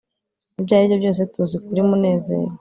ibyo aribyo byose tuzi kuri munezero